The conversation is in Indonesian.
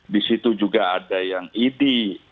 disitu juga ada yang idi